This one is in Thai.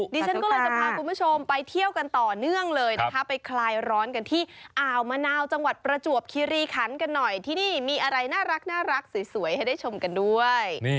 ดิฉันก็เลยจะพาคุณผู้ชมไปเที่ยวกันต่อเนื่องเลยนะคะไปคลายร้อนกันที่อ่าวมะนาวจังหวัดประจวบคิริคันกันหน่อยที่นี่มีอะไรน่ารักสวยให้ได้ชมกันด้วย